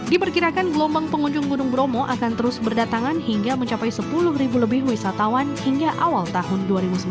diperkirakan gelombang pengunjung gunung bromo akan terus berdatangan hingga mencapai sepuluh ribu lebih wisatawan hingga awal tahun dua ribu sembilan belas